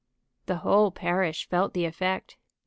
The whole parish felt the effect.